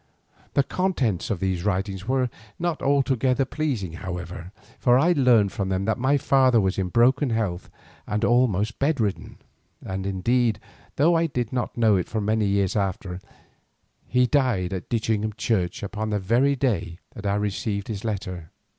The contents of these writings were not altogether pleasing however, for I learned from them that my father was in broken health and almost bedridden, and indeed, though I did not know it for many years after, he died in Ditchingham Church upon the very day that I received his letter.